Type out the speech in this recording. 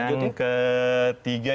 yang ketiga ini